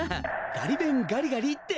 ガリべんガリガリって。